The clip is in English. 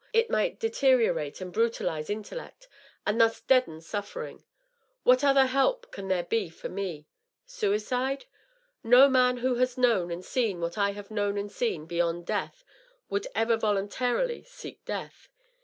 It might deteri orate and brutalize intellect, and thus deaden suffering. .• What other help can there be for me? Suicide? No man who has known and seen what I have known and seen beyond death would ever voluntarily seek death.